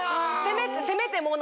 せめてもの。